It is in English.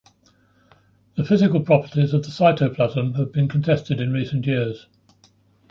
The physical properties of the cytoplasm have been contested in recent years.